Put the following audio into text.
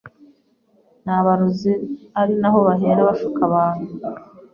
n’abarozi ari naho bahera bashuka abantu